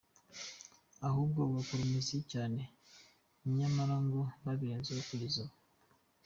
ahubwo bagakora umuziki cyane, nyamara ngo babirenzeho kugeza ubu.